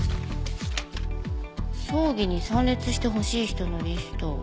葬儀に参列してほしい人のリスト。